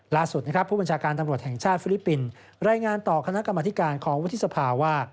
ล่าสุดนะครับผู้บัญชาการตำรวจแห่งชาติฟิลิปปินส์รายงานต่อคณะกรรมธิการของวุฒิสภาว่า